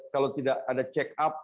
kalau tidak ada check up